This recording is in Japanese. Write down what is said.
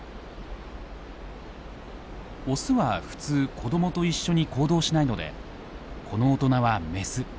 オスは普通子どもと一緒に行動しないのでこの大人はメス。